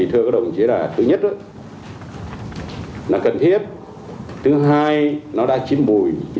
thưa các đồng chí là thứ nhất là cần thiết thứ hai nó đã chín mùi